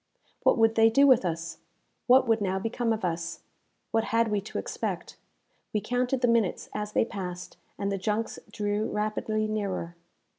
What would they do with us? What would now become of us? What had we to expect? We counted the minutes as they passed, and the junks drew rapidly nearer.